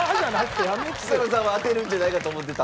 ちさ子さんは当てるんじゃないかと思ってた。